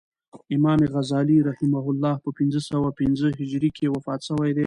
امام غزالی رحمة الله په پنځه سوه پنځم هجري کال کښي وفات سوی دئ.